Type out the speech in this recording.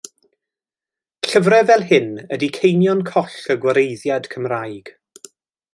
Llyfrau fel hyn ydi ceinion coll y gwareiddiad Cymraeg.